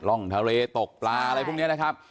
ร่องทะเลตกปลาอะไรพวกนี้นะครับ